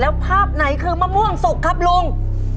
แล้วภาพไหนคือมะม่วงสุกครับลุง